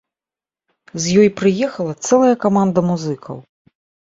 З ёй прыехала цэлая каманда музыкаў.